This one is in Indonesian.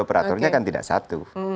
operatornya kan tidak satu